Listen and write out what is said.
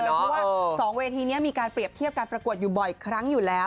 เพราะว่า๒เวทีนี้มีการเปรียบเทียบการประกวดอยู่บ่อยครั้งอยู่แล้ว